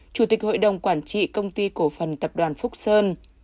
chủ tịch hội đồng quản trị công ty cổ phần tập đoàn phúc sơn